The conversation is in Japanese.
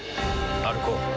歩こう。